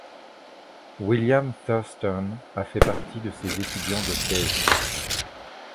William Thurston a fait partie de ses étudiants de thèse.